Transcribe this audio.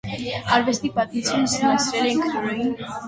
Արվեստի պատմությունն ուսումնասիրել է ինքնուրույն։